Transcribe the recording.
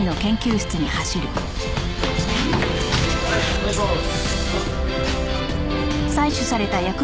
お願いします。